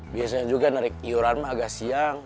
biasanya juga tarik iuran mah agak siang